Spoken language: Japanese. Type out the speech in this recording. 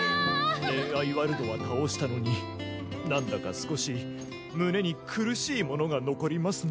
レンアイワルドは倒したのになんだか少し胸に苦しいものが残りますね。